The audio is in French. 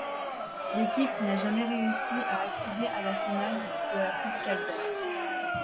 L'équipe n'a jamais réussi à accéder à la finale de la Coupe Calder.